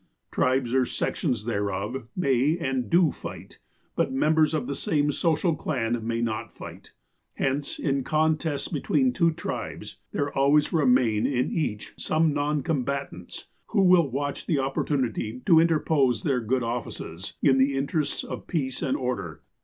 Tribes, or sections thereof, may, and do fight, but members of the same social clan may not fight. Hence, in contests between two tribes, there always remain in each some non combatants, who will watch the opportunity to interpose their good offices, in the in terests of peace and order.